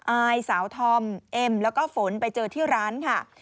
อายสาวธอมเอ็มแล้วก็ฝนไปเจอที่ร้านค่ะ